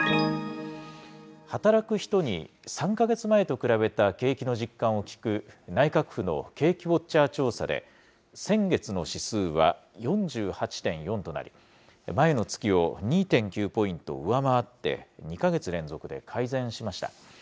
働く人に、３か月前と比べた景気の実感を聞く、内閣府の景気ウォッチャー調査で、先月の指数は４８．４となり、前の月を２．９ポイント上回って、２か月連続で改善しました。